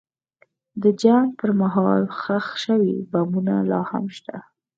د جنګ پر مهال ښخ شوي بمونه لا هم شته.